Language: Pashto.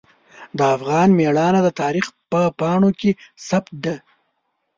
د افغان میړانه د تاریخ په پاڼو کې ثبت ده.